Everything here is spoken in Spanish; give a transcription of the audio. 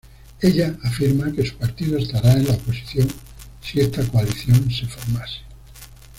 Ella afirma que su partido estará en la oposición si esta coalición se formase.